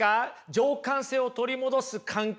情感性を取り戻す感覚。